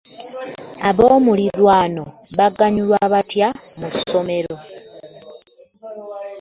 Ab'omuliraano baganyulwa batya mu ssomero?